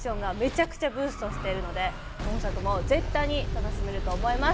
アクションがめちゃくちゃブーストしてるんで、本作も絶対に楽しめると思います。